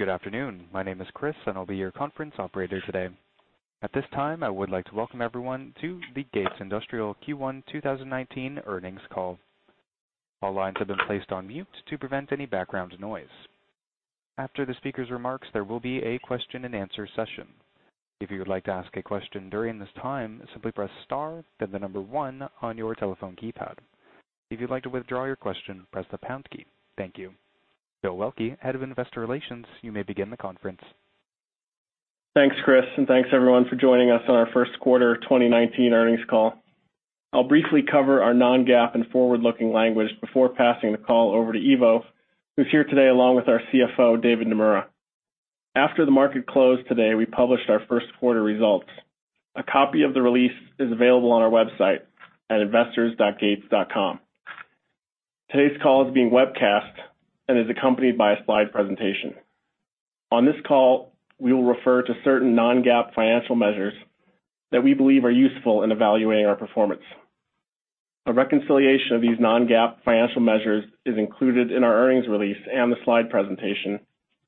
Good afternoon. My name is Chris, and I'll be your conference operator today. At this time, I would like to welcome everyone to the Gates Industrial Q1 2019 earnings call. All lines have been placed on mute to prevent any background noise. After the speaker's remarks, there will be a question-and-answer session. If you would like to ask a question during this time, simply press star, then the number one on your telephone keypad. If you'd like to withdraw your question, press the pound key. Thank you. Bill Welke, Head of Investor Relations, you may begin the conference. Thanks, Chris, and thanks, everyone, for joining us on our first quarter 2019 earnings call. I'll briefly cover our non-GAAP and forward-looking language before passing the call over to Ivo, who's here today along with our CFO, David Nomura. After the market closed today, we published our first quarter results. A copy of the release is available on our website at investors.gates.com. Today's call is being webcast and is accompanied by a slide presentation. On this call, we will refer to certain non-GAAP financial measures that we believe are useful in evaluating our performance. A reconciliation of these non-GAAP financial measures is included in our earnings release and the slide presentation,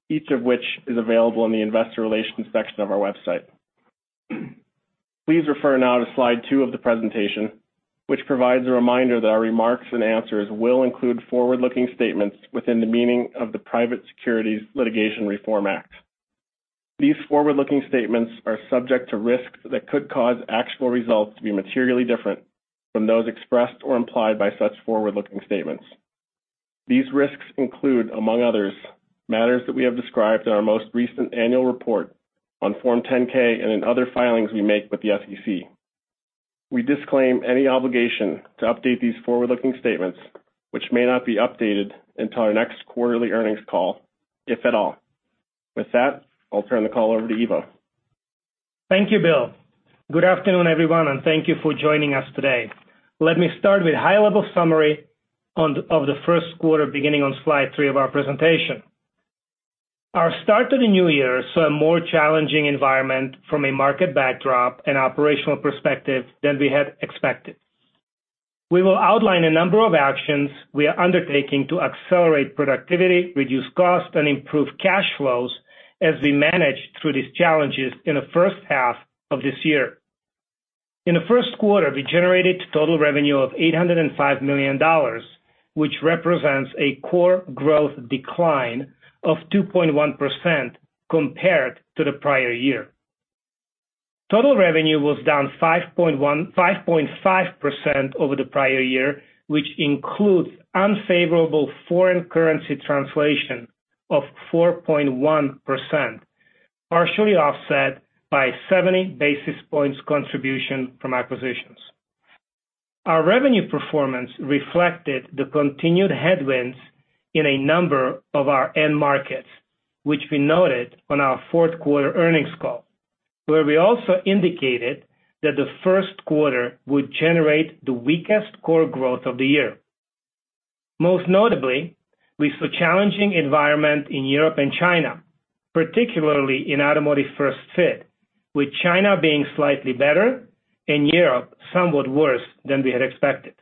each of which is available in the investor relations section of our website. Please refer now to slide two of the presentation, which provides a reminder that our remarks and answers will include forward-looking statements within the meaning of the Private Securities Litigation Reform Act. These forward-looking statements are subject to risks that could cause actual results to be materially different from those expressed or implied by such forward-looking statements. These risks include, among others, matters that we have described in our most recent annual report on Form 10-K and in other filings we make with the SEC. We disclaim any obligation to update these forward-looking statements, which may not be updated until our next quarterly earnings call, if at all. With that, I'll turn the call over to Ivo. Thank you, Bill. Good afternoon, everyone, and thank you for joining us today. Let me start with a high-level summary of the first quarter beginning on slide three of our presentation. Our start to the new year saw a more challenging environment from a market backdrop and operational perspective than we had expected. We will outline a number of actions we are undertaking to accelerate productivity, reduce cost, and improve cash flows as we manage through these challenges in the first half of this year. In the first quarter, we generated total revenue of $805 million, which represents a core growth decline of 2.1% compared to the prior year. Total revenue was down 5.5% over the prior year, which includes unfavorable foreign currency translation of 4.1%, partially offset by 70 basis points contribution from acquisitions. Our revenue performance reflected the continued headwinds in a number of our end markets, which we noted on our fourth quarter earnings call, where we also indicated that the first quarter would generate the weakest core growth of the year. Most notably, we saw a challenging environment in Europe and China, particularly in automotive first fit, with China being slightly better and Europe somewhat worse than we had expected.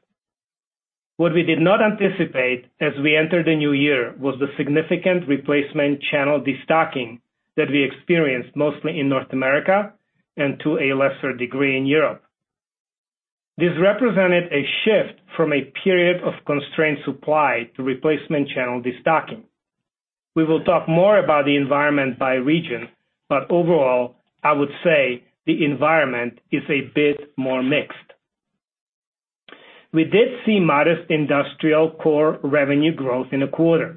What we did not anticipate as we entered the new year was the significant replacement channel destocking that we experienced mostly in North America and to a lesser degree in Europe. This represented a shift from a period of constrained supply to replacement channel destocking. We will talk more about the environment by region, but overall, I would say the environment is a bit more mixed. We did see modest industrial core revenue growth in the quarter,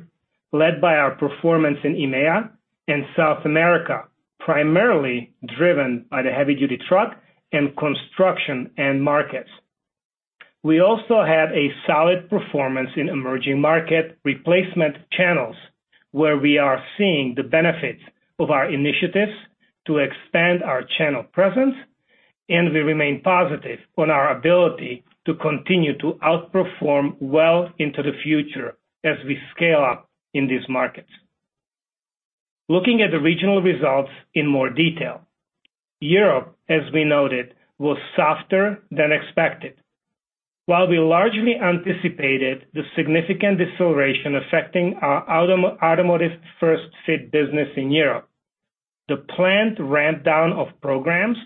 led by our performance in EMEA and South America, primarily driven by the heavy-duty truck and construction end markets. We also had a solid performance in emerging market replacement channels, where we are seeing the benefits of our initiatives to expand our channel presence, and we remain positive on our ability to continue to outperform well into the future as we scale up in these markets. Looking at the regional results in more detail, Europe, as we noted, was softer than expected. While we largely anticipated the significant deceleration affecting our automotive first fit business in Europe, the planned ramp-down of programs,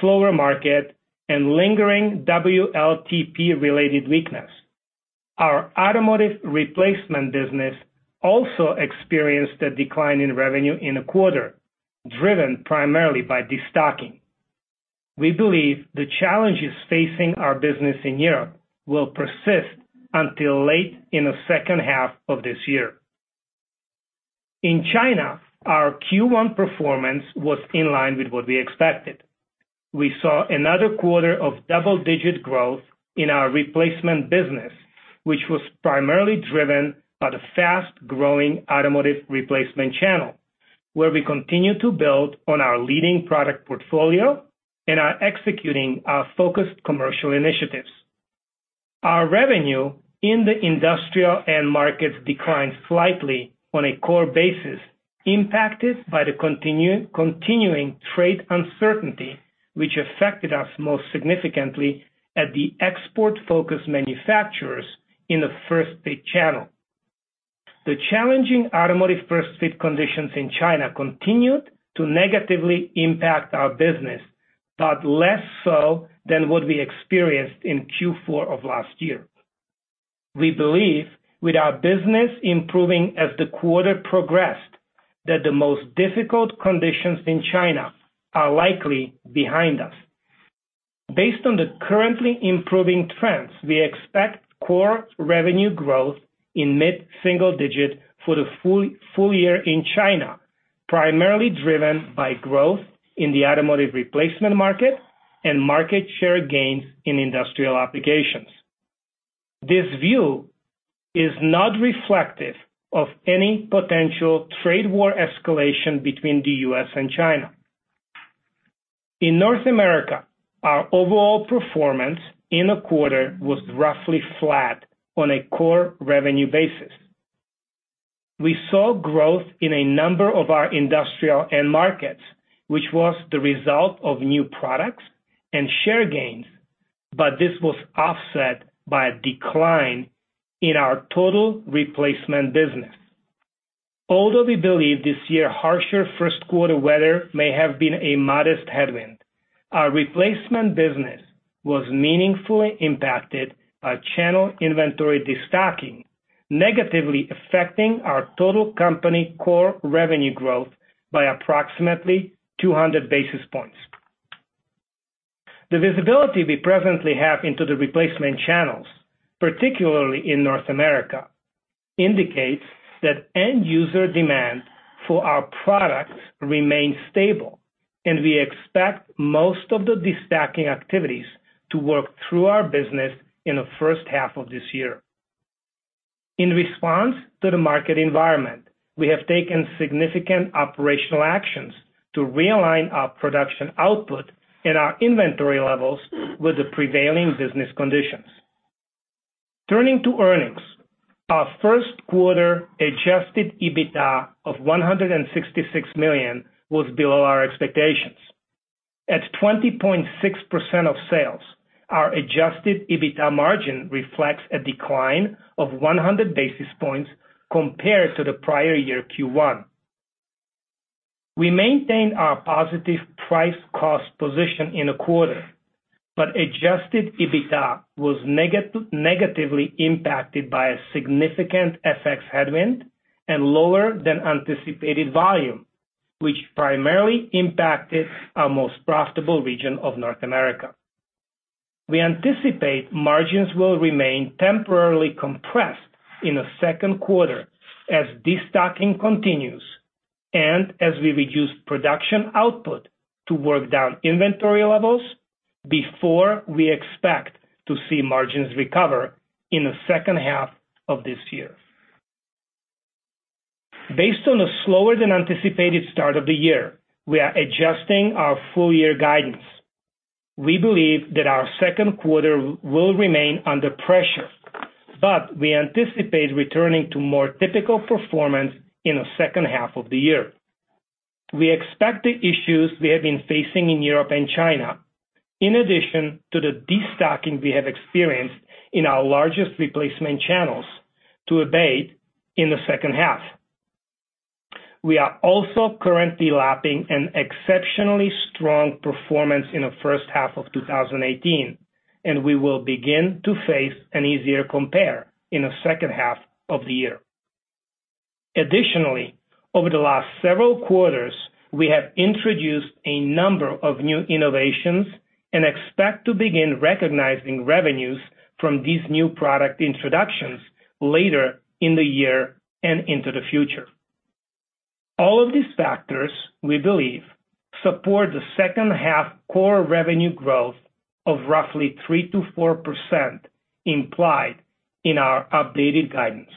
slower market, and lingering WLTP-related weakness, our automotive replacement business also experienced a decline in revenue in the quarter, driven primarily by destocking. We believe the challenges facing our business in Europe will persist until late in the second half of this year. In China, our Q1 performance was in line with what we expected. We saw another quarter of double-digit growth in our replacement business, which was primarily driven by the fast-growing automotive replacement channel, where we continue to build on our leading product portfolio and are executing our focused commercial initiatives. Our revenue in the industrial end markets declined slightly on a core basis, impacted by the continuing trade uncertainty, which affected us most significantly at the export-focused manufacturers in the first fit channel. The challenging automotive first fit conditions in China continued to negatively impact our business, but less so than what we experienced in Q4 of last year. We believe, with our business improving as the quarter progressed, that the most difficult conditions in China are likely behind us. Based on the currently improving trends, we expect core revenue growth in mid-single digit for the full year in China, primarily driven by growth in the automotive replacement market and market share gains in industrial applications. This view is not reflective of any potential trade war escalation between the U.S. and China. In North America, our overall performance in the quarter was roughly flat on a core revenue basis. We saw growth in a number of our industrial end markets, which was the result of new products and share gains, but this was offset by a decline in our total replacement business. Although we believe this year's harsher first quarter weather may have been a modest headwind, our replacement business was meaningfully impacted by channel inventory destocking, negatively affecting our total company core revenue growth by approximately 200 basis points. The visibility we presently have into the replacement channels, particularly in North America, indicates that end user demand for our products remains stable, and we expect most of the destocking activities to work through our business in the first half of this year. In response to the market environment, we have taken significant operational actions to realign our production output and our inventory levels with the prevailing business conditions. Turning to earnings, our first quarter adjusted EBITDA of $166 million was below our expectations. At 20.6% of sales, our adjusted EBITDA margin reflects a decline of 100 basis points compared to the prior year Q1. We maintained our positive price-cost position in the quarter, but adjusted EBITDA was negatively impacted by a significant FX headwind and lower than anticipated volume, which primarily impacted our most profitable region of North America. We anticipate margins will remain temporarily compressed in the second quarter as destocking continues and as we reduce production output to work down inventory levels before we expect to see margins recover in the second half of this year. Based on a slower than anticipated start of the year, we are adjusting our full-year guidance. We believe that our second quarter will remain under pressure, but we anticipate returning to more typical performance in the second half of the year. We expect the issues we have been facing in Europe and China, in addition to the destocking we have experienced in our largest replacement channels, to abate in the second half. We are also currently lapping an exceptionally strong performance in the first half of 2018, and we will begin to face an easier compare in the second half of the year. Additionally, over the last several quarters, we have introduced a number of new innovations and expect to begin recognizing revenues from these new product introductions later in the year and into the future. All of these factors, we believe, support the second half core revenue growth of roughly 3%-4% implied in our updated guidance.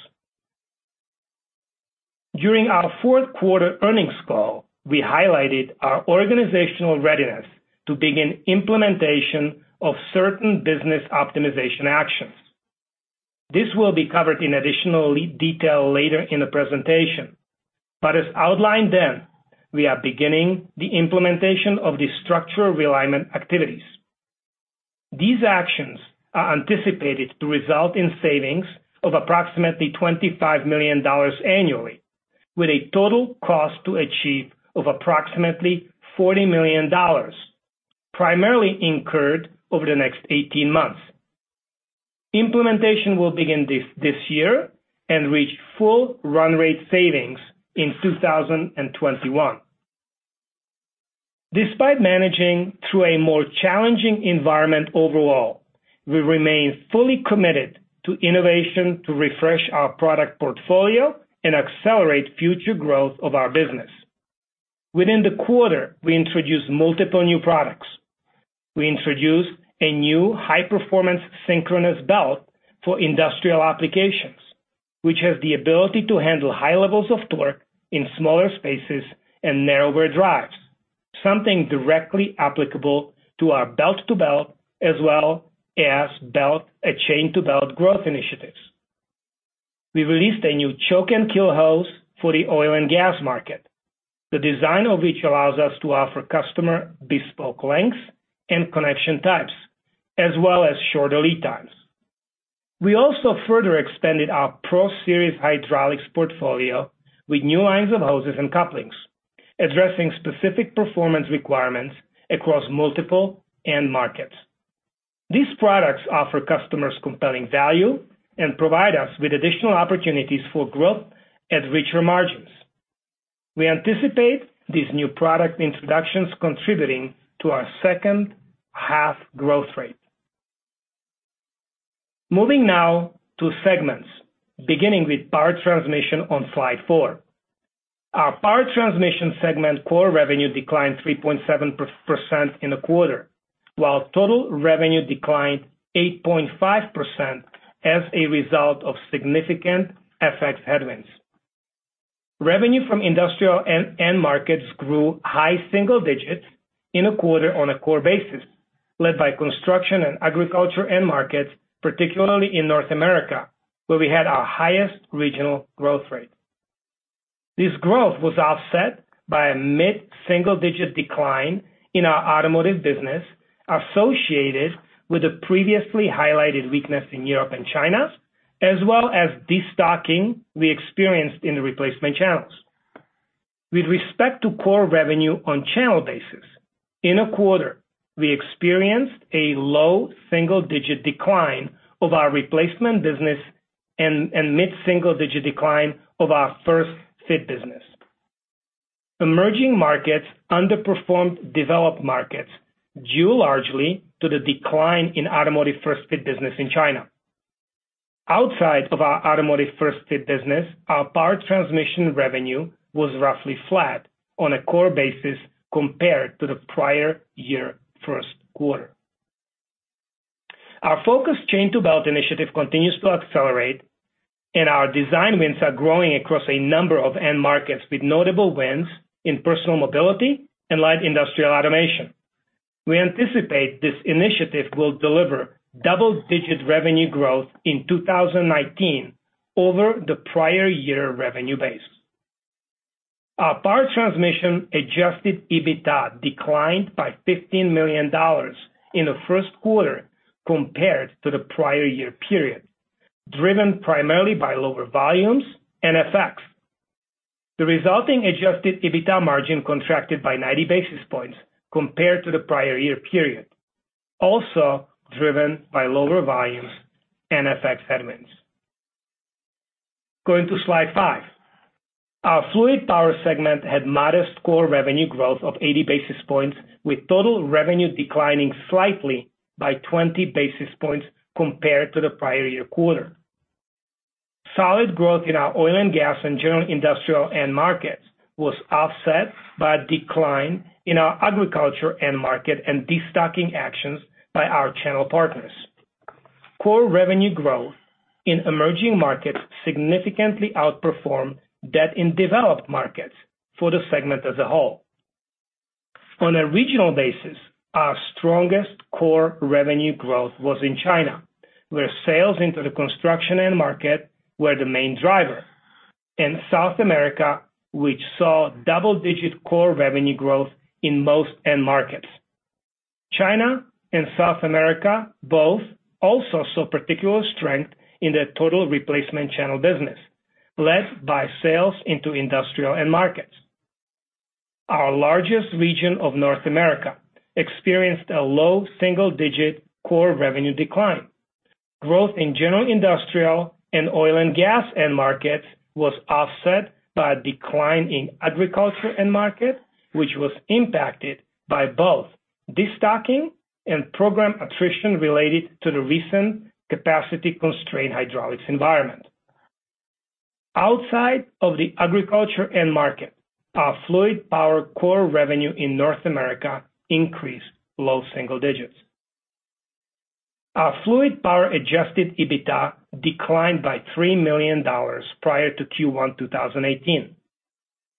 During our fourth quarter earnings call, we highlighted our organizational readiness to begin implementation of certain business optimization actions. This will be covered in additional detail later in the presentation, but as outlined then, we are beginning the implementation of the structural realignment activities. These actions are anticipated to result in savings of approximately $25 million annually, with a total cost to achieve of approximately $40 million, primarily incurred over the next 18 months. Implementation will begin this year and reach full run rate savings in 2021. Despite managing through a more challenging environment overall, we remain fully committed to innovation to refresh our product portfolio and accelerate future growth of our business. Within the quarter, we introduced multiple new products. We introduced a new high-performance synchronous belt for industrial applications, which has the ability to handle high levels of torque in smaller spaces and narrower drives, something directly applicable to our belt-to-belt as well as belt-to-chain-to-belt growth initiatives. We released a new choke and kill hose for the oil and gas market, the design of which allows us to offer customer bespoke lengths and connection types, as well as shorter lead times. We also further expanded our Pro Series hydraulics portfolio with new lines of hoses and couplings, addressing specific performance requirements across multiple end markets. These products offer customers compelling value and provide us with additional opportunities for growth at richer margins. We anticipate these new product introductions contributing to our second half growth rate. Moving now to segments, beginning with power transmission on slide four. Our power transmission segment core revenue declined 3.7% in the quarter, while total revenue declined 8.5% as a result of significant FX headwinds. Revenue from industrial end markets grew high single digits in the quarter on a core basis, led by construction and agriculture end markets, particularly in North America, where we had our highest regional growth rate. This growth was offset by a mid-single digit decline in our automotive business, associated with the previously highlighted weakness in Europe and China, as well as destocking we experienced in the replacement channels. With respect to core revenue on channel basis, in a quarter, we experienced a low single digit decline of our replacement business and mid-single digit decline of our first fit business. Emerging markets underperformed developed markets due largely to the decline in automotive first fit business in China. Outside of our automotive first fit business, our power transmission revenue was roughly flat on a core basis compared to the prior year first quarter. Our focus chain-to-belt initiative continues to accelerate, and our design wins are growing across a number of end markets with notable wins in personal mobility and light industrial automation. We anticipate this initiative will deliver double-digit revenue growth in 2019 over the prior year revenue base. Our power transmission adjusted EBITDA declined by $15 million in the first quarter compared to the prior year period, driven primarily by lower volumes and FX. The resulting adjusted EBITDA margin contracted by 90 basis points compared to the prior year period, also driven by lower volumes and FX headwinds. Going to slide five, our fluid power segment had modest core revenue growth of 80 basis points, with total revenue declining slightly by 20 basis points compared to the prior year quarter. Solid growth in our oil and gas and general industrial end markets was offset by a decline in our agriculture end market and destocking actions by our channel partners. Core revenue growth in emerging markets significantly outperformed that in developed markets for the segment as a whole. On a regional basis, our strongest core revenue growth was in China, where sales into the construction end market were the main driver, and South America, which saw double-digit core revenue growth in most end markets. China and South America both also saw particular strength in the total replacement channel business, led by sales into industrial end markets. Our largest region of North America experienced a low single-digit core revenue decline. Growth in general industrial and oil and gas end markets was offset by a decline in the agriculture end market, which was impacted by both destocking and program attrition related to the recent capacity constraint hydraulics environment. Outside of the agriculture end market, our fluid power core revenue in North America increased low single digits. Our fluid power adjusted EBITDA declined by $3 million prior to Q1 2018.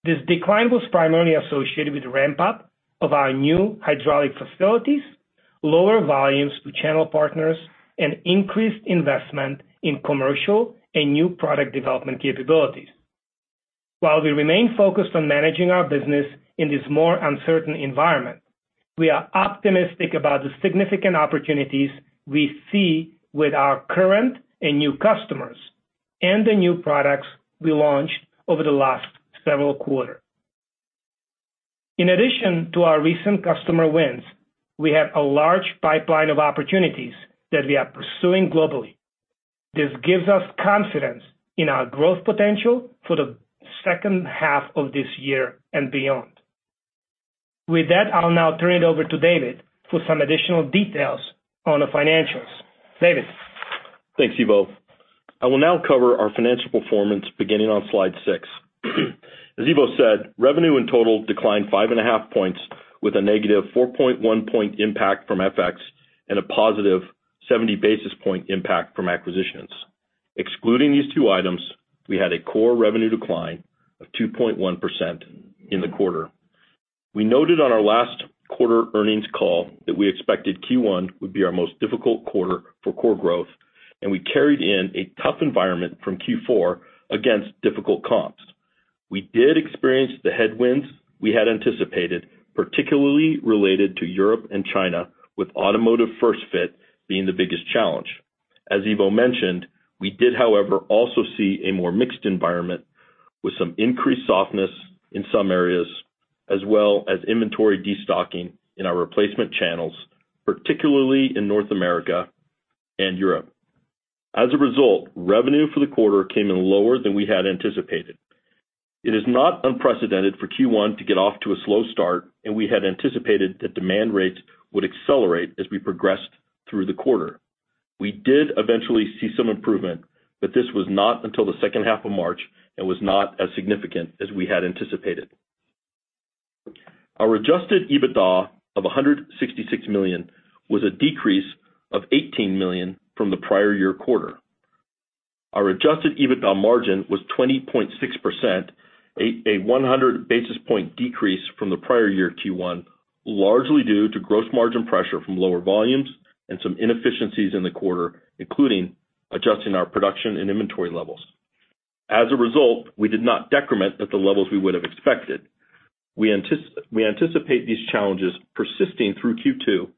This decline was primarily associated with ramp-up of our new hydraulic facilities, lower volumes to channel partners, and increased investment in commercial and new product development capabilities. While we remain focused on managing our business in this more uncertain environment, we are optimistic about the significant opportunities we see with our current and new customers and the new products we launched over the last several quarters. In addition to our recent customer wins, we have a large pipeline of opportunities that we are pursuing globally. This gives us confidence in our growth potential for the second half of this year and beyond. With that, I'll now turn it over to David for some additional details on the financials. David. Thanks, Ivo. I will now cover our financial performance beginning on slide six. As Ivo said, revenue in total declined 5.5 points with a negative 4.1 point impact from FX and a positive 70 basis point impact from acquisitions. Excluding these two items, we had a core revenue decline of 2.1% in the quarter. We noted on our last quarter earnings call that we expected Q1 would be our most difficult quarter for core growth, and we carried in a tough environment from Q4 against difficult comps. We did experience the headwinds we had anticipated, particularly related to Europe and China, with automotive first fit being the biggest challenge. As Ivo Jurek mentioned, we did, however, also see a more mixed environment with some increased softness in some areas, as well as inventory destocking in our replacement channels, particularly in North America and Europe. As a result, revenue for the quarter came in lower than we had anticipated. It is not unprecedented for Q1 to get off to a slow start, and we had anticipated that demand rates would accelerate as we progressed through the quarter. We did eventually see some improvement, but this was not until the second half of March and was not as significant as we had anticipated. Our adjusted EBITDA of $166 million was a decrease of $18 million from the prior year quarter. Our adjusted EBITDA margin was 20.6%, a 100 basis point decrease from the prior year Q1, largely due to gross margin pressure from lower volumes and some inefficiencies in the quarter, including adjusting our production and inventory levels. As a result, we did not decrement at the levels we would have expected. We anticipate these challenges persisting through Q2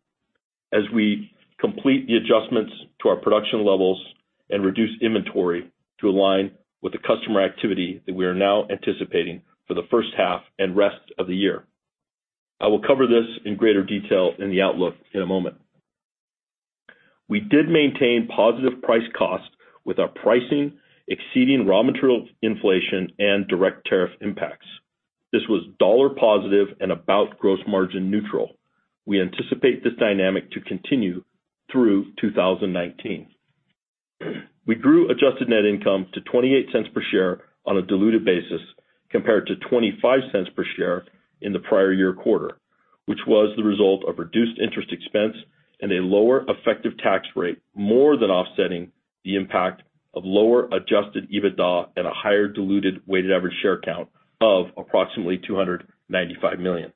as we complete the adjustments to our production levels and reduce inventory to align with the customer activity that we are now anticipating for the first half and rest of the year. I will cover this in greater detail in the outlook in a moment. We did maintain positive price cost with our pricing exceeding raw material inflation and direct tariff impacts. This was dollar positive and about gross margin neutral. We anticipate this dynamic to continue through 2019. We grew adjusted net income to $0.28 per share on a diluted basis compared to $0.25 per share in the prior year quarter, which was the result of reduced interest expense and a lower effective tax rate, more than offsetting the impact of lower adjusted EBITDA and a higher diluted weighted average share count of approximately 295 million.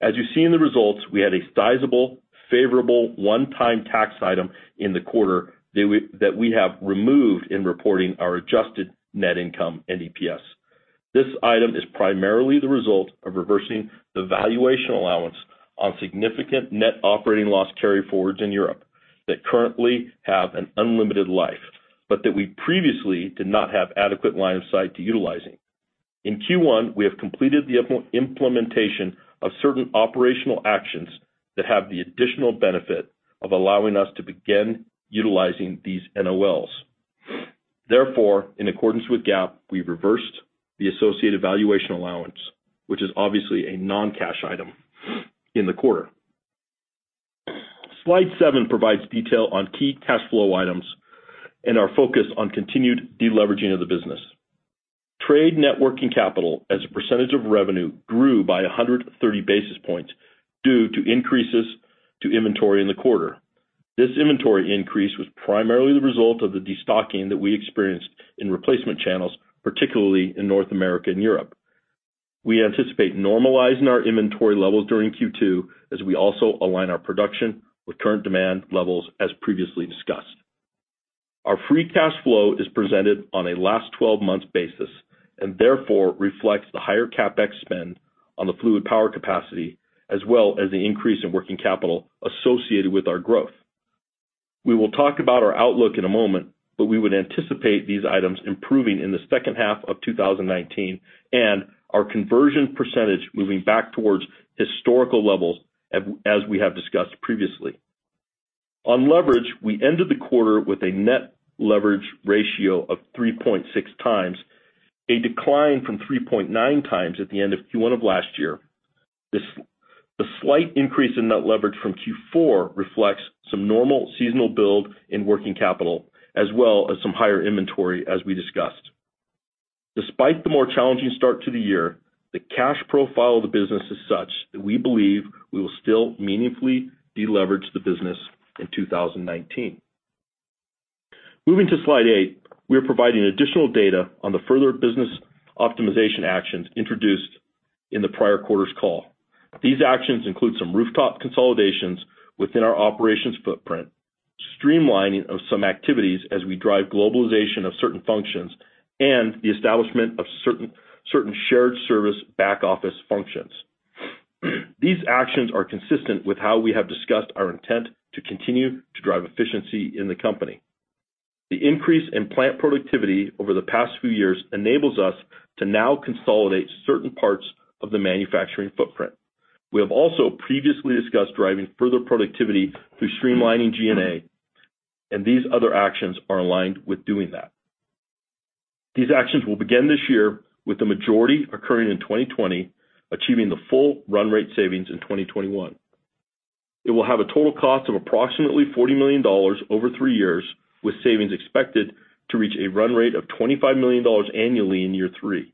As you see in the results, we had a sizable, favorable one-time tax item in the quarter that we have removed in reporting our adjusted net income and EPS. This item is primarily the result of reversing the valuation allowance on significant net operating loss carryforwards in Europe that currently have an unlimited life, but that we previously did not have adequate line of sight to utilizing. In Q1, we have completed the implementation of certain operational actions that have the additional benefit of allowing us to begin utilizing these NOLs. Therefore, in accordance with GAAP, we reversed the associated valuation allowance, which is obviously a non-cash item in the quarter. Slide seven provides detail on key cash flow items and our focus on continued deleveraging of the business. Trade networking capital as a percentage of revenue grew by 130 basis points due to increases to inventory in the quarter. This inventory increase was primarily the result of the destocking that we experienced in replacement channels, particularly in North America and Europe. We anticipate normalizing our inventory levels during Q2 as we also align our production with current demand levels, as previously discussed. Our free cash flow is presented on a last 12-month basis and therefore reflects the higher CapEx spend on the fluid power capacity, as well as the increase in working capital associated with our growth. We will talk about our outlook in a moment, but we would anticipate these items improving in the second half of 2019 and our conversion percentage moving back towards historical levels, as we have discussed previously. On leverage, we ended the quarter with a net leverage ratio of 3.6x, a decline from 3.9x at the end of Q1 of last year. The slight increase in net leverage from Q4 reflects some normal seasonal build in working capital, as well as some higher inventory, as we discussed. Despite the more challenging start to the year, the cash profile of the business is such that we believe we will still meaningfully deleverage the business in 2019. Moving to slide eight, we are providing additional data on the further business optimization actions introduced in the prior quarter's call. These actions include some rooftop consolidations within our operations footprint, streamlining of some activities as we drive globalization of certain functions, and the establishment of certain shared service back office functions. These actions are consistent with how we have discussed our intent to continue to drive efficiency in the company. The increase in plant productivity over the past few years enables us to now consolidate certain parts of the manufacturing footprint. We have also previously discussed driving further productivity through streamlining G&A, and these other actions are aligned with doing that. These actions will begin this year with the majority occurring in 2020, achieving the full run rate savings in 2021. It will have a total cost of approximately $40 million over three years, with savings expected to reach a run rate of $25 million annually in year three.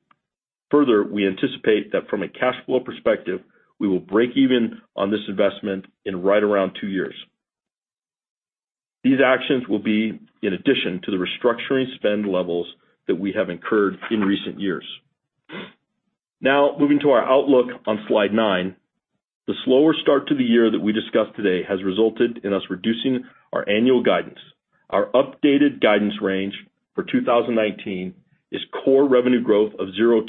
Further, we anticipate that from a cash flow perspective, we will break even on this investment in right around two years. These actions will be in addition to the restructuring spend levels that we have incurred in recent years. Now, moving to our outlook on slide nine, the slower start to the year that we discussed today has resulted in us reducing our annual guidance. Our updated guidance range for 2019 is core revenue growth of 0-2%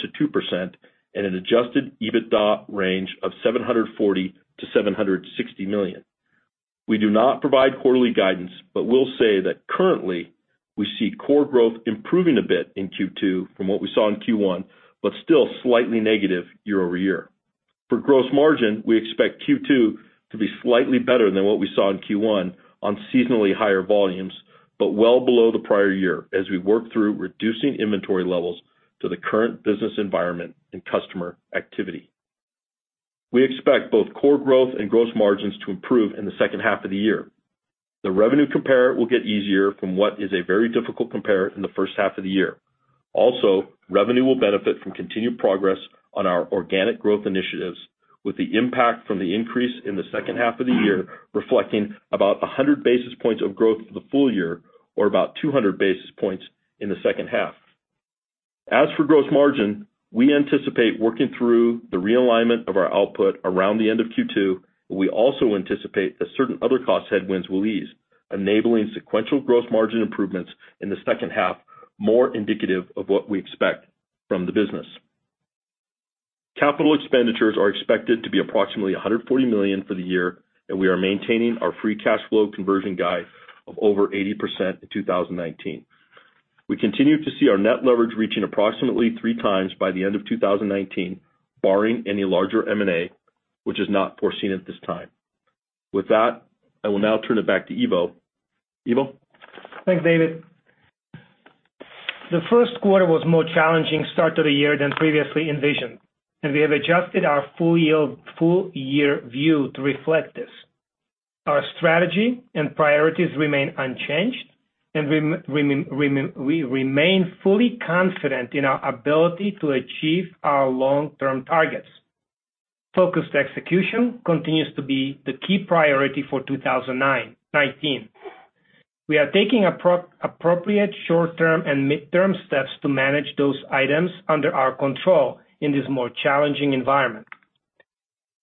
and an adjusted EBITDA range of $740 million-$760 million. We do not provide quarterly guidance, but we'll say that currently we see core growth improving a bit in Q2 from what we saw in Q1, but still slightly negative year-over-year. For gross margin, we expect Q2 to be slightly better than what we saw in Q1 on seasonally higher volumes, but well below the prior year as we work through reducing inventory levels to the current business environment and customer activity. We expect both core growth and gross margins to improve in the second half of the year. The revenue compare will get easier from what is a very difficult compare in the first half of the year. Also, revenue will benefit from continued progress on our organic growth initiatives, with the impact from the increase in the second half of the year reflecting about 100 basis points of growth for the full year or about 200 basis points in the second half. As for gross margin, we anticipate working through the realignment of our output around the end of Q2, and we also anticipate that certain other cost headwinds will ease, enabling sequential gross margin improvements in the second half, more indicative of what we expect from the business. Capital expenditures are expected to be approximately $140 million for the year, and we are maintaining our free cash flow conversion guide of over 80% in 2019. We continue to see our net leverage reaching approximately three times by the end of 2019, barring any larger M&A, which is not foreseen at this time. With that, I will now turn it back to Ivo. Thanks, David. The first quarter was a more challenging start to the year than previously envisioned, and we have adjusted our full-year view to reflect this. Our strategy and priorities remain unchanged, and we remain fully confident in our ability to achieve our long-term targets. Focused execution continues to be the key priority for 2019. We are taking appropriate short-term and mid-term steps to manage those items under our control in this more challenging environment.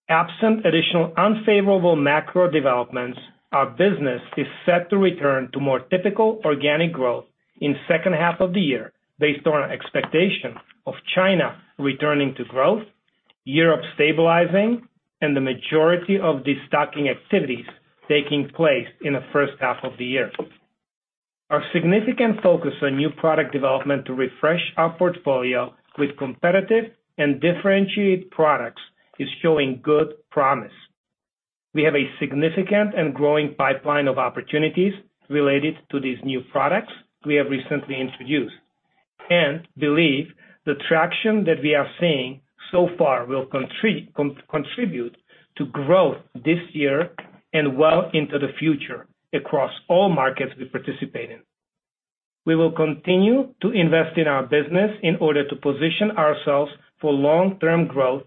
Absent additional unfavorable macro developments, our business is set to return to more typical organic growth in the second half of the year, based on our expectation of China returning to growth, Europe stabilizing, and the majority of destocking activities taking place in the first half of the year. Our significant focus on new product development to refresh our portfolio with competitive and differentiated products is showing good promise. We have a significant and growing pipeline of opportunities related to these new products we have recently introduced and believe the traction that we are seeing so far will contribute to growth this year and well into the future across all markets we participate in. We will continue to invest in our business in order to position ourselves for long-term growth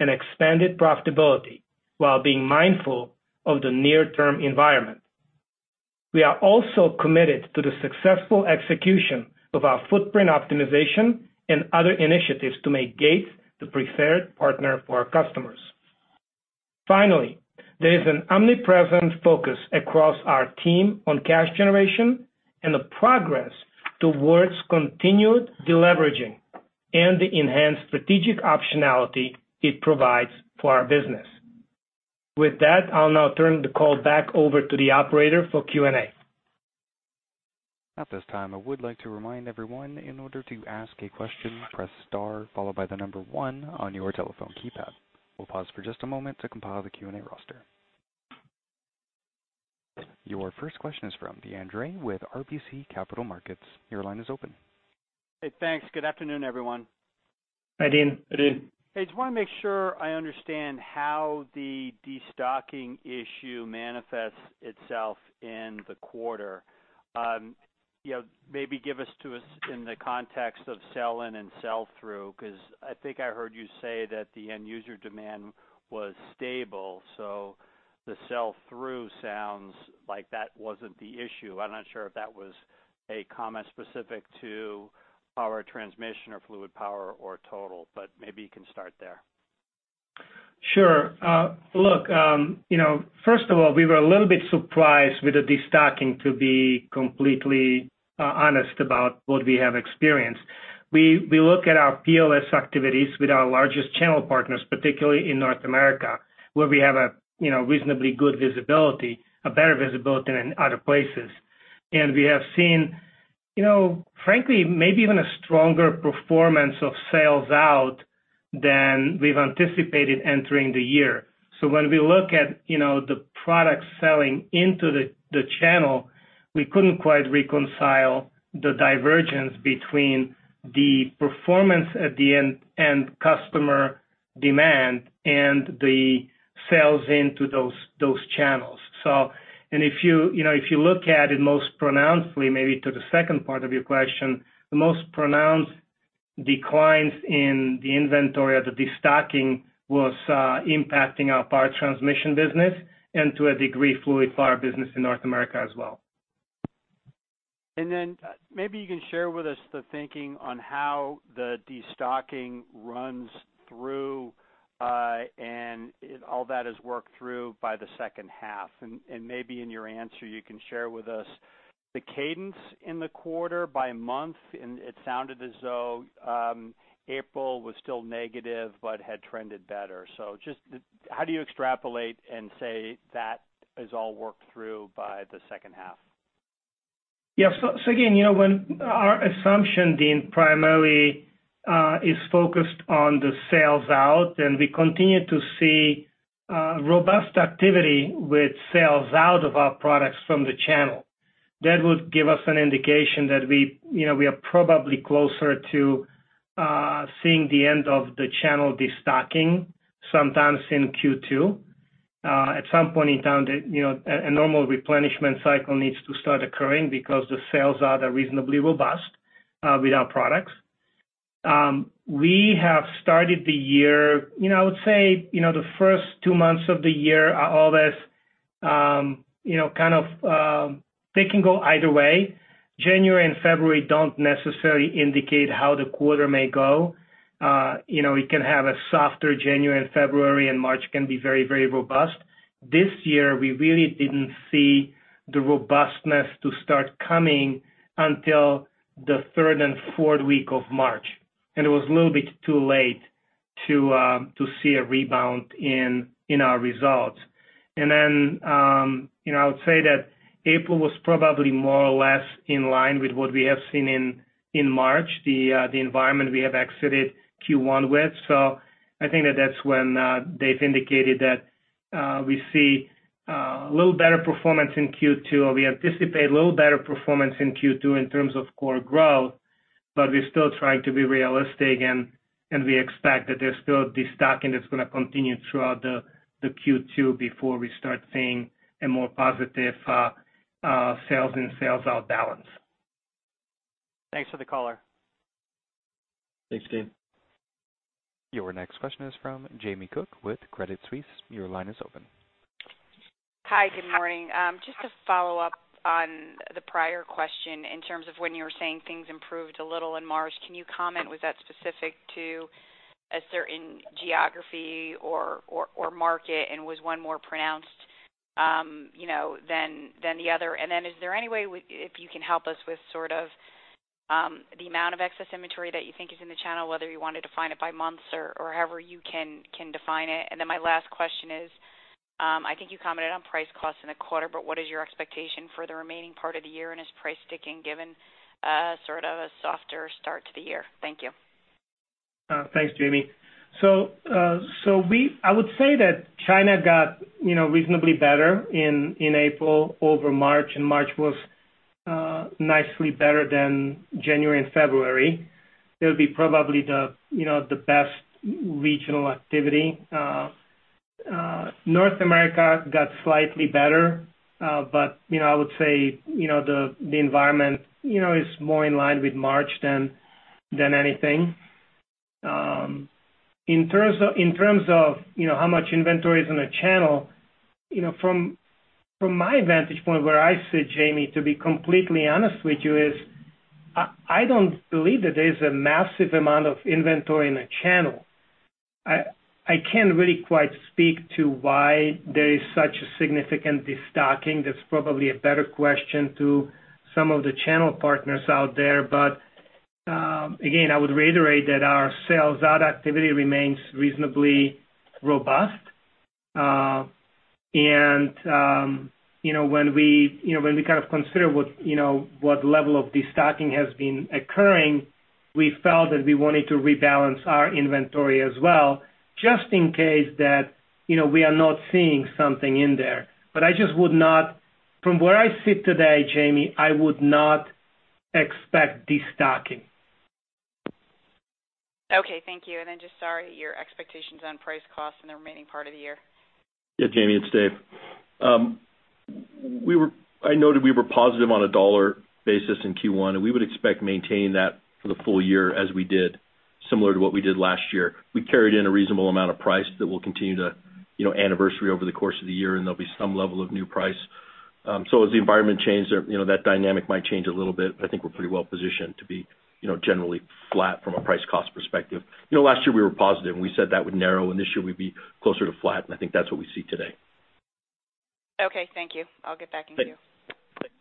and expanded profitability while being mindful of the near-term environment. We are also committed to the successful execution of our footprint optimization and other initiatives to make Gates the preferred partner for our customers. Finally, there is an omnipresent focus across our team on cash generation and the progress towards continued deleveraging and the enhanced strategic optionality it provides for our business. With that, I'll now turn the call back over to the operator for Q&A. At this time, I would like to remind everyone in order to ask a question, press star followed by the number one on your telephone keypad. We'll pause for just a moment to compile the Q&A roster. Your first question is from Deane Dray with RBC Capital Markets. Your line is open. Hey, thanks. Good afternoon, everyone. Hey, Deane. Hey, Deane. Hey, just want to make sure I understand how the destocking issue manifests itself in the quarter. Maybe give us to us in the context of sell-in and sell-through, because I think I heard you say that the end-user demand was stable, so the sell-through sounds like that wasn't the issue. I'm not sure if that was a comment specific to power transmission or fluid power or total, but maybe you can start there. Sure. Look, first of all, we were a little bit surprised with the destocking, to be completely honest about what we have experienced. We look at our POS activities with our largest channel partners, particularly in North America, where we have a reasonably good visibility, a better visibility than other places. We have seen, frankly, maybe even a stronger performance of sales out than we anticipated entering the year. When we look at the product selling into the channel, we could not quite reconcile the divergence between the performance at the end and customer demand and the sales into those channels. If you look at it most pronouncedly, maybe to the second part of your question, the most pronounced declines in the inventory of the destocking was impacting our power transmission business and to a degree fluid power business in North America as well. Maybe you can share with us the thinking on how the destocking runs through and all that is worked through by the second half. In your answer, you can share with us the cadence in the quarter by month. It sounded as though April was still negative but had trended better. Just how do you extrapolate and say that is all worked through by the second half? Yeah. Again, our assumption, Dean, primarily is focused on the sales out, and we continue to see robust activity with sales out of our products from the channel. That would give us an indication that we are probably closer to seeing the end of the channel destocking sometime in Q2. At some point in time, a normal replenishment cycle needs to start occurring because the sales out are reasonably robust with our products. We have started the year, I would say the first two months of the year, all this kind of pick and go either way. January and February do not necessarily indicate how the quarter may go. It can have a softer January and February, and March can be very, very robust. This year, we really did not see the robustness to start coming until the third and fourth week of March. It was a little bit too late to see a rebound in our results. I would say that April was probably more or less in line with what we have seen in March, the environment we have exited Q1 with. I think that is when they have indicated that we see a little better performance in Q2. We anticipate a little better performance in Q2 in terms of core growth, but we're still trying to be realistic, and we expect that there's still destocking that's going to continue throughout the Q2 before we start seeing a more positive sales and sales out balance. Thanks for the color. Thanks, Deane. Your next question is from Jamie Cook with Credit Suisse. Your line is open. Hi, good morning. Just to follow up on the prior question in terms of when you were saying things improved a little in March, can you comment? Was that specific to a certain geography or market, and was one more pronounced than the other? Is there any way if you can help us with sort of the amount of excess inventory that you think is in the channel, whether you wanted to define it by months or however you can define it? My last question is, I think you commented on price costs in the quarter, but what is your expectation for the remaining part of the year, and is price sticking given sort of a softer start to the year? Thank you. Thanks, Jamie. I would say that China got reasonably better in April over March, and March was nicely better than January and February. That would be probably the best regional activity. North America got slightly better, but I would say the environment is more in line with March than anything. In terms of how much inventory is in a channel, from my vantage point where I sit, Jamie, to be completely honest with you, I do not believe that there is a massive amount of inventory in a channel. I cannot really quite speak to why there is such a significant destocking. That's probably a better question to some of the channel partners out there. Again, I would reiterate that our sales out activity remains reasonably robust. When we kind of consider what level of destocking has been occurring, we felt that we wanted to rebalance our inventory as well just in case that we are not seeing something in there. I just would not, from where I sit today, Jamie, I would not expect destocking. Okay. Thank you. Sorry, your expectations on price costs in the remaining part of the year. Yeah, Jamie, it's Dave. I noted we were positive on a dollar basis in Q1, and we would expect maintaining that for the full year as we did, similar to what we did last year. We carried in a reasonable amount of price that will continue to anniversary over the course of the year, and there'll be some level of new price. As the environment changed, that dynamic might change a little bit, but I think we're pretty well positioned to be generally flat from a price cost perspective. Last year, we were positive, and we said that would narrow, and this year we'd be closer to flat. I think that's what we see today. Okay. Thank you. I'll get back in with you. Thanks.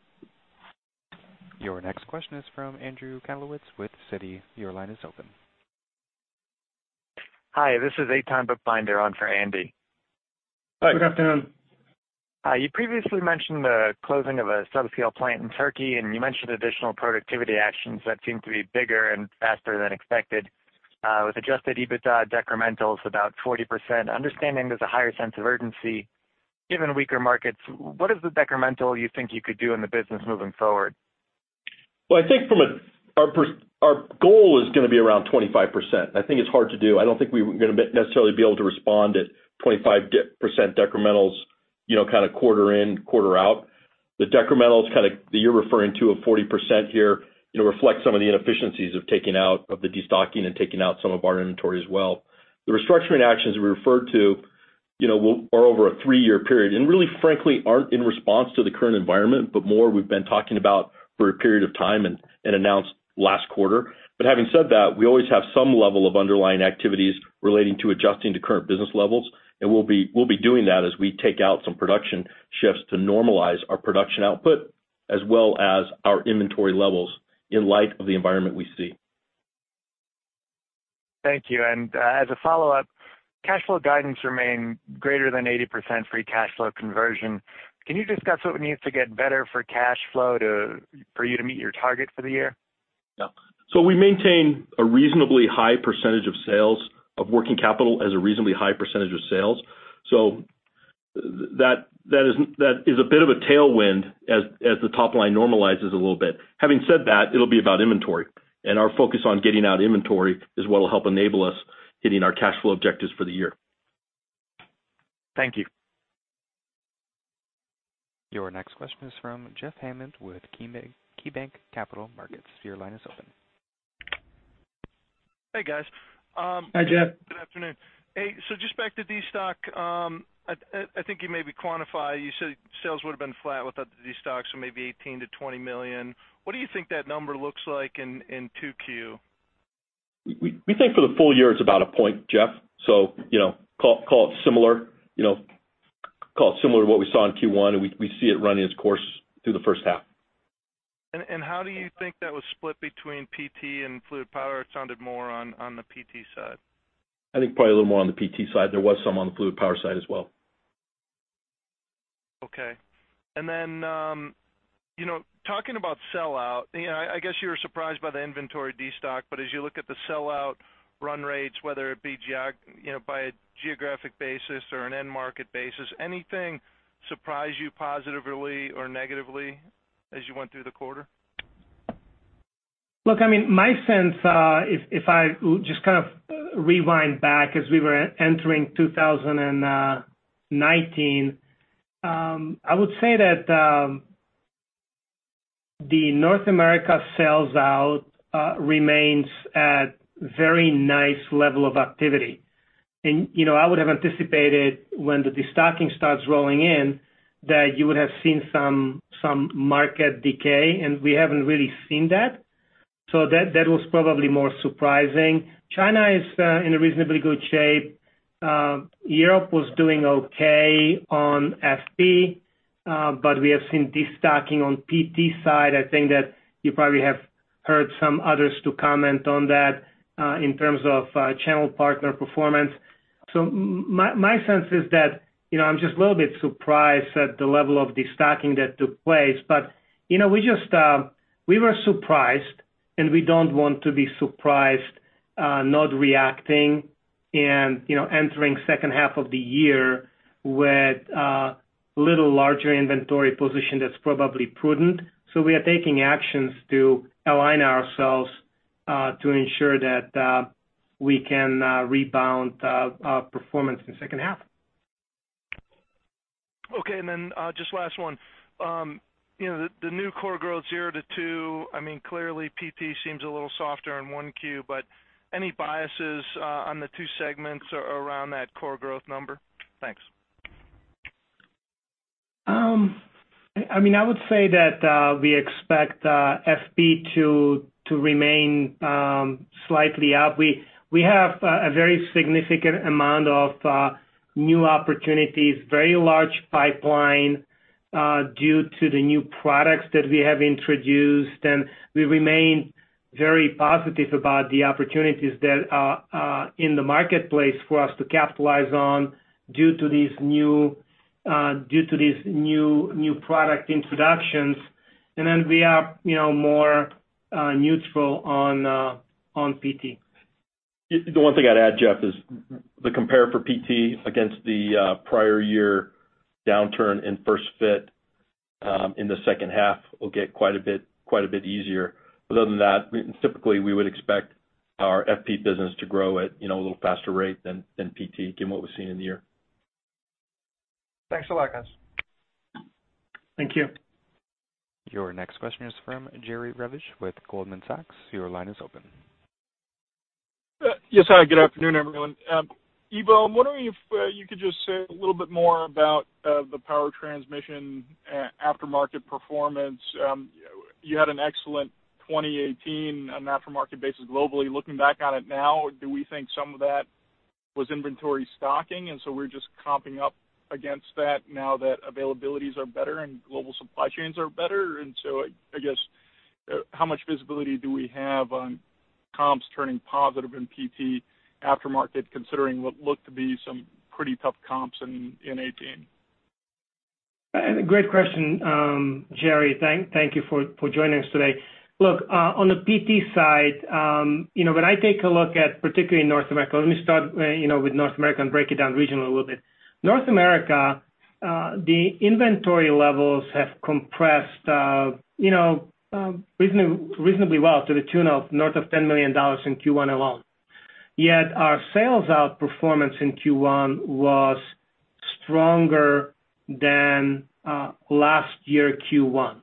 Your next question is from Andrew Kowalitz with Citi. Your line is open. Hi, this is Aton Bookbinder, on for Andy. Hi. Good afternoon. You previously mentioned the closing of a subscale plant in Turkey, and you mentioned additional productivity actions that seem to be bigger and faster than expected with adjusted EBITDA decrementals about 40%. Understanding there's a higher sense of urgency given weaker markets, what is the decremental you think you could do in the business moving forward? I think from our goal is going to be around 25%. I think it's hard to do. I don't think we're going to necessarily be able to respond at 25% decrementals kind of quarter in, quarter out. The decrementals kind of that you're referring to of 40% here reflect some of the inefficiencies of taking out of the destocking and taking out some of our inventory as well. The restructuring actions we referred to are over a three-year period and really, frankly, aren't in response to the current environment, but more we've been talking about for a period of time and announced last quarter. Having said that, we always have some level of underlying activities relating to adjusting to current business levels, and we'll be doing that as we take out some production shifts to normalize our production output as well as our inventory levels in light of the environment we see. Thank you. As a follow-up, cash flow guidance remained greater than 80% free cash flow conversion. Can you discuss what we need to get better for cash flow for you to meet your target for the year? Yeah. We maintain a reasonably high percentage of sales of working capital as a reasonably high percentage of sales. That is a bit of a tailwind as the top line normalizes a little bit. Having said that, it'll be about inventory, and our focus on getting out inventory is what will help enable us hitting our cash flow objectives for the year. Thank you. Your next question is from Jeff Hammond with KeyBank Capital Markets. Your line is open. Hey, guys. Hi, Jeff. Good afternoon. Hey, just back to destock, I think you maybe quantified. You said sales would have been flat without the destock, so maybe $18 million-$20 million. What do you think that number looks like in Q2? We think for the full year it's about a point, Jeff. Call it similar. Call it similar to what we saw in Q1, and we see it running its course through the first half. How do you think that was split between PT and fluid power? It sounded more on the PT side. I think probably a little more on the PT side. There was some on the fluid power side as well. Okay. And then talking about sell-out, I guess you were surprised by the inventory destock, but as you look at the sell-out run rates, whether it be by a geographic basis or an end market basis, anything surprise you positively or negatively as you went through the quarter? Look, I mean, my sense, if I just kind of rewind back as we were entering 2019, I would say that the North America sales out remains at very nice level of activity. I would have anticipated when the destocking starts rolling in that you would have seen some market decay, and we haven't really seen that. That was probably more surprising. China is in a reasonably good shape. Europe was doing okay on FP, but we have seen destocking on PT side. I think that you probably have heard some others comment on that in terms of channel partner performance. My sense is that I'm just a little bit surprised at the level of destocking that took place, but we were surprised, and we do not want to be surprised not reacting and entering second half of the year with a little larger inventory position that is probably prudent. We are taking actions to align ourselves to ensure that we can rebound our performance in the second half. Okay. Just last one. The new core growth, zero to two, I mean, clearly PT seems a little softer in one Q, but any biases on the two segments around that core growth number? Thanks. I mean, I would say that we expect FP to remain slightly up. We have a very significant amount of new opportunities, very large pipeline due to the new products that we have introduced, and we remain very positive about the opportunities that are in the marketplace for us to capitalize on due to these new product introductions. We are more neutral on PT. The one thing I'd add, Jeff, is the compare for PT against the prior year downturn in first fit in the second half will get quite a bit easier. Other than that, typically, we would expect our FP business to grow at a little faster rate than PT, given what we've seen in the year. Thanks a lot, guys. Thank you. Your next question is from Jerry Revich with Goldman Sachs. Your line is open. Yes, hi. Good afternoon, everyone. Ivo, I'm wondering if you could just say a little bit more about the power transmission aftermarket performance. You had an excellent 2018 on an aftermarket basis globally. Looking back on it now, do we think some of that was inventory stocking? We are just comping up against that now that availabilities are better and global supply chains are better. I guess how much visibility do we have on comps turning positive in PT aftermarket considering what looked to be some pretty tough comps in 2018? Great question, Jerry. Thank you for joining us today. Look, on the PT side, when I take a look at particularly North America, let me start with North America and break it down regionally a little bit. North America, the inventory levels have compressed reasonably well to the tune of north of $10 million in Q1 alone. Yet our sales out performance in Q1 was stronger than last year Q1.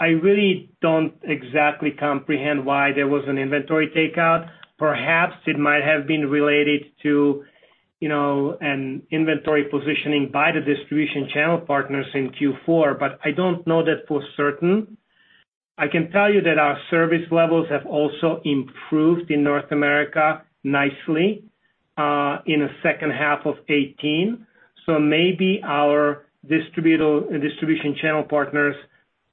I really do not exactly comprehend why there was an inventory takeout. Perhaps it might have been related to an inventory positioning by the distribution channel partners in Q4, but I do not know that for certain. I can tell you that our service levels have also improved in North America nicely in the second half of 2018. Maybe our distribution channel partners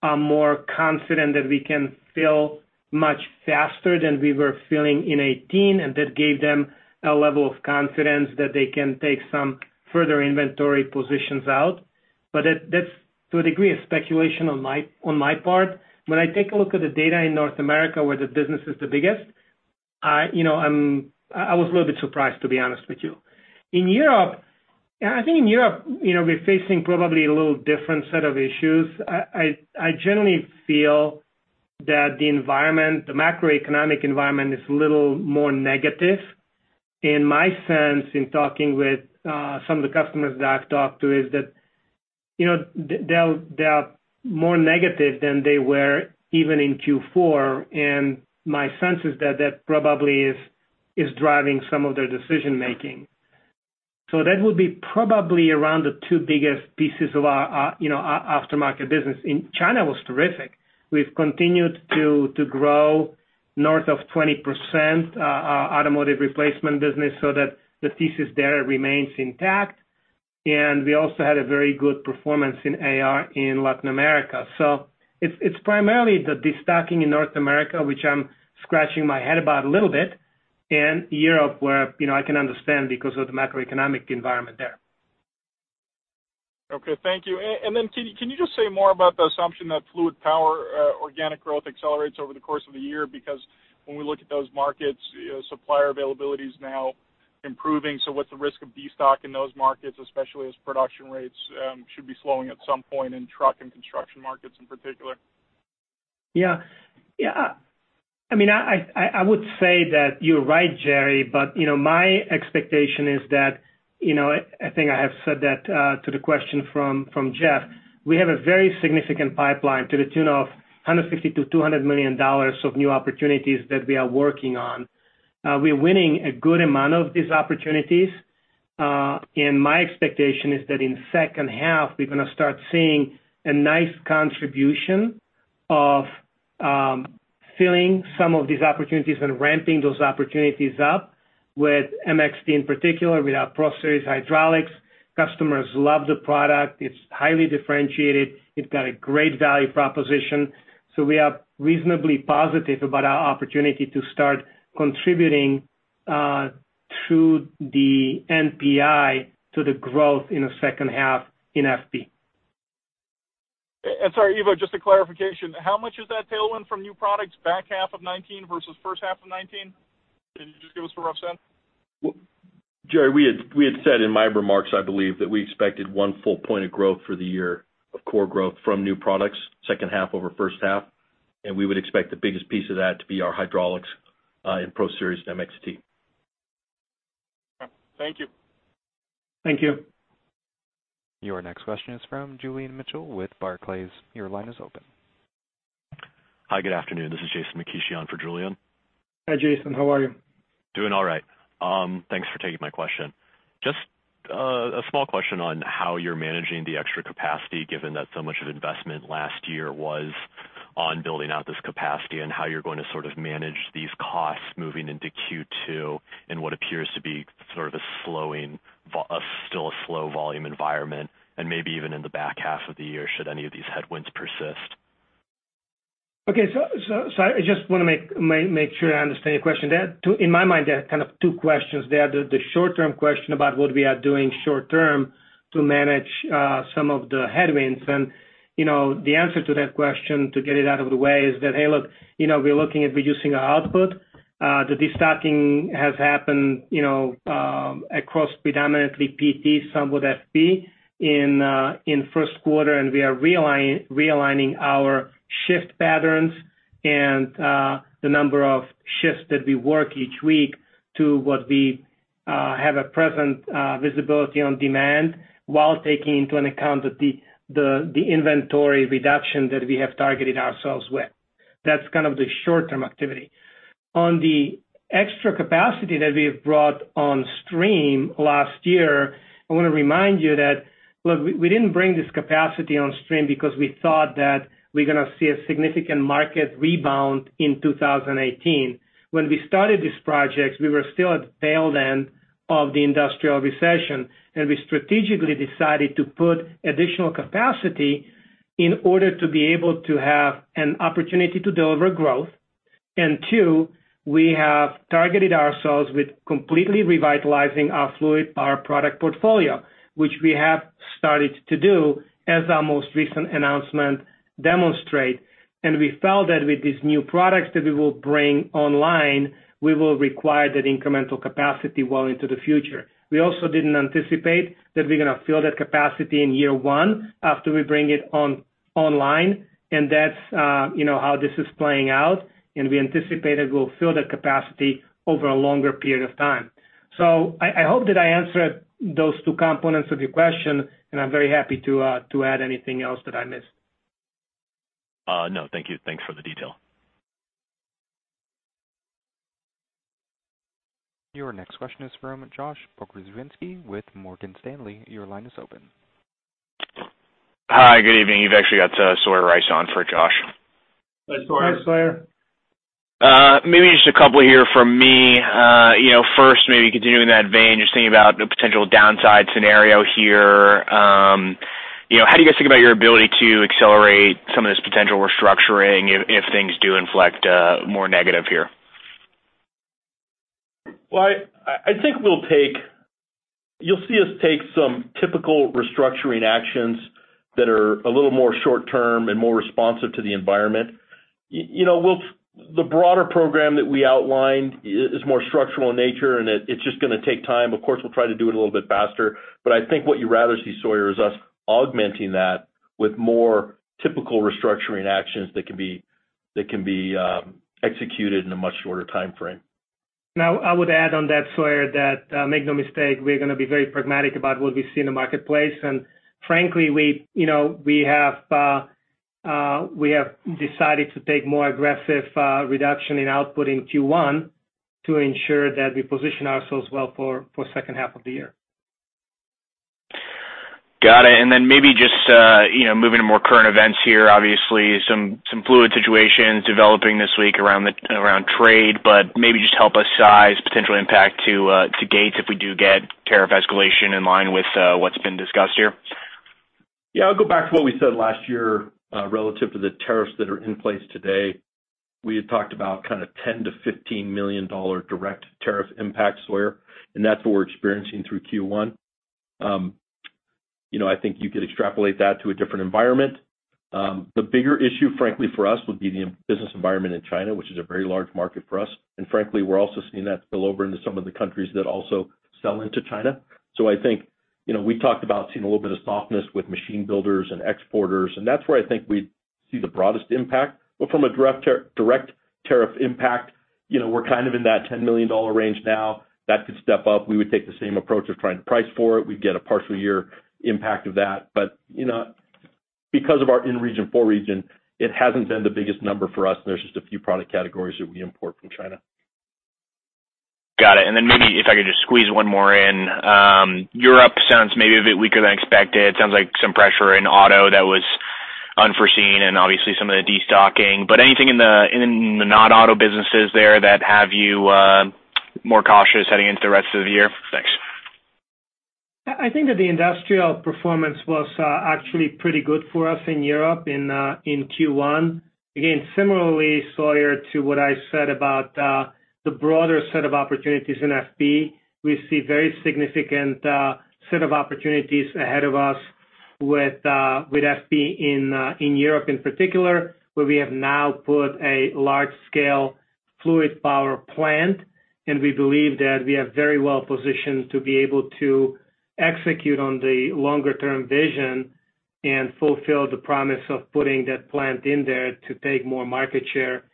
are more confident that we can fill much faster than we were filling in 2018, and that gave them a level of confidence that they can take some further inventory positions out. That is to a degree of speculation on my part. When I take a look at the data in North America where the business is the biggest, I was a little bit surprised, to be honest with you. In Europe, I think in Europe, we're facing probably a little different set of issues. I generally feel that the environment, the macroeconomic environment, is a little more negative. My sense in talking with some of the customers that I've talked to is that they're more negative than they were even in Q4. My sense is that that probably is driving some of their decision-making. That would be probably around the two biggest pieces of our aftermarket business. In China, it was terrific. We've continued to grow north of 20% automotive replacement business so that the thesis there remains intact. We also had a very good performance in AR in Latin America. It's primarily the destocking in North America, which I'm scratching my head about a little bit, and Europe where I can understand because of the macroeconomic environment there. Okay. Thank you. Can you just say more about the assumption that fluid power organic growth accelerates over the course of the year? Because when we look at those markets, supplier availability is now improving. What's the risk of destock in those markets, especially as production rates should be slowing at some point in truck and construction markets in particular? Yeah. Yeah. I mean, I would say that you're right, Jerry, but my expectation is that I think I have said that to the question from Jeff. We have a very significant pipeline to the tune of $150 million to $200 million of new opportunities that we are working on. We're winning a good amount of these opportunities. My expectation is that in the second half, we're going to start seeing a nice contribution of filling some of these opportunities and ramping those opportunities up with MXT in particular, with our Pro Series hydraulics. Customers love the product. It's highly differentiated. It's got a great value proposition. We are reasonably positive about our opportunity to start contributing through the NPI to the growth in the second half in FP. Sorry, Ivo, just a clarification. How much is that tailwind from new products back half of 2019 versus first half of 2019? Can you just give us a rough sense? Jerry, we had said in my remarks, I believe, that we expected one full point of growth for the year of core growth from new products, second half over first half. We would expect the biggest piece of that to be our hydraulics and Pro Series MXT. Thank you. Thank you. Your next question is from Julian Mitchell with Barclays. Your line is open. Hi, good afternoon. This is Jason McKeeshy on for Julian. Hi, Jason. How are you? Doing all right. Thanks for taking my question. Just a small question on how you're managing the extra capacity, given that so much of investment last year was on building out this capacity and how you're going to sort of manage these costs moving into Q2 in what appears to be sort of a slowing, still a slow volume environment, and maybe even in the back half of the year should any of these headwinds persist. Okay. I just want to make sure I understand your question. In my mind, there are kind of two questions. There are the short-term question about what we are doing short-term to manage some of the headwinds. The answer to that question to get it out of the way is that, hey, look, we're looking at reducing our output. The destocking has happened across predominantly PT, some with FP in first quarter, and we are realigning our shift patterns and the number of shifts that we work each week to what we have a present visibility on demand while taking into account the inventory reduction that we have targeted ourselves with. That's kind of the short-term activity. On the extra capacity that we've brought on stream last year, I want to remind you that, look, we didn't bring this capacity on stream because we thought that we're going to see a significant market rebound in 2018. When we started this project, we were still at the tail end of the industrial recession, and we strategically decided to put additional capacity in order to be able to have an opportunity to deliver growth. Two, we have targeted ourselves with completely revitalizing our fluid power product portfolio, which we have started to do, as our most recent announcement demonstrates. We felt that with these new products that we will bring online, we will require that incremental capacity well into the future. We also did not anticipate that we are going to fill that capacity in year one after we bring it online. That is how this is playing out. We anticipate that we will fill that capacity over a longer period of time. I hope that I answered those two components of your question, and I am very happy to add anything else that I missed. No, thank you. Thanks for the detail. Your next question is from Josh Bockrzywinski with Morgan Stanley. Your line is open. Hi, good evening. You've actually got Sawyer Rice on for Josh. Hi, Sawyer. Hi, Sawyer. Maybe just a couple here from me. First, maybe continuing that vein, just thinking about a potential downside scenario here. How do you guys think about your ability to accelerate some of this potential restructuring if things do inflect more negative here? I think you'll see us take some typical restructuring actions that are a little more short-term and more responsive to the environment. The broader program that we outlined is more structural in nature, and it's just going to take time. Of course, we'll try to do it a little bit faster. I think what you'd rather see, Sawyer, is us augmenting that with more typical restructuring actions that can be executed in a much shorter timeframe. I would add on that, Sawyer, that make no mistake, we're going to be very pragmatic about what we see in the marketplace. Frankly, we have decided to take more aggressive reduction in output in Q1 to ensure that we position ourselves well for the second half of the year. Got it. Maybe just moving to more current events here, obviously, some fluid situations developing this week around trade, but maybe just help us size potential impact to Gates if we do get tariff escalation in line with what's been discussed here. Yeah. I'll go back to what we said last year relative to the tariffs that are in place today. We had talked about kind of $10 million-$15 million direct tariff impact, Sawyer, and that's what we're experiencing through Q1. I think you could extrapolate that to a different environment. The bigger issue, frankly, for us would be the business environment in China, which is a very large market for us. Frankly, we're also seeing that spill over into some of the countries that also sell into China. I think we talked about seeing a little bit of softness with machine builders and exporters. That's where I think we'd see the broadest impact. From a direct tariff impact, we're kind of in that $10 million range now. That could step up. We would take the same approach of trying to price for it. We'd get a partial year impact of that. Because of our in-region, for-region, it hasn't been the biggest number for us. There's just a few product categories that we import from China. Got it. Maybe if I could just squeeze one more in. Europe sounds maybe a bit weaker than expected. It sounds like some pressure in auto that was unforeseen and obviously some of the destocking. Anything in the non-auto businesses there that have you more cautious heading into the rest of the year? Thanks. I think that the industrial performance was actually pretty good for us in Europe in Q1. Again, similarly, Sawyer, to what I said about the broader set of opportunities in FP, we see a very significant set of opportunities ahead of us with FP in Europe in particular, where we have now put a large-scale fluid power plant. We believe that we are very well positioned to be able to execute on the longer-term vision and fulfill the promise of putting that plant in there to take more market share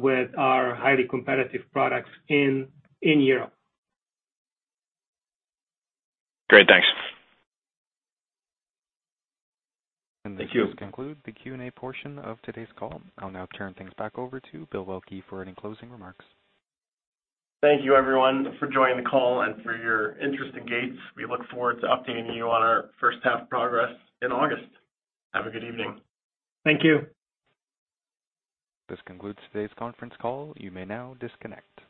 with our highly competitive products in Europe. Great. Thanks. This concludes the Q&A portion of today's call. I'll now turn things back over to Bill Welke for any closing remarks. Thank you, everyone, for joining the call and for your interest in Gates. We look forward to updating you on our first half progress in August. Have a good evening. Thank you. This concludes today's conference call. You may now disconnect.